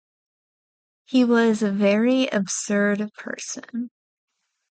He was a very absurd person.